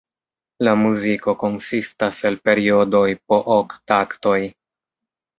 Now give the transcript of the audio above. La muziko konsistas el periodoj po ok taktoj.